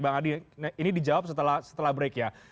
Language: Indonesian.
bang adi ini dijawab setelah break ya